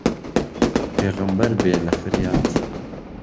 پێغهمبەر بێ له فریات